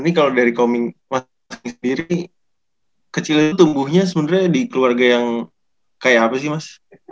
ini kalo dari koming sendiri kecil itu tumbuhnya sebenernya di keluarga yang kayak apa sih mas